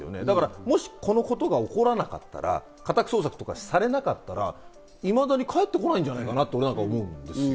もし、このことが起こらなかったら、家宅捜索とかされなかったら、いまだに帰ってこないんじゃないかなって、思うんですよ。